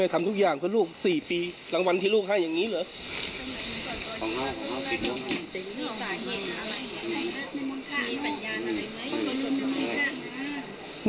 แม่ทำทุกอย่างข้อลูก๔ปีรางวัลที่ลูกให้แบบเนี้ยเนี้ยเหรอ